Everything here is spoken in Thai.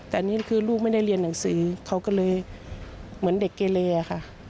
แต่อันนี้คือลูกไม่ได้เรียนหนังสือเขาก็เลยเหมือนเด็กเกเลค่ะ